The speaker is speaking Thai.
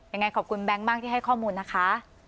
ยังไงขอบคุณแบงค์มากที่ให้ข้อมูลนะคะ